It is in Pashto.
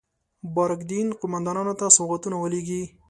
بارک دین قوماندانانو ته سوغاتونه ولېږي.